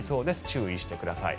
注意してください。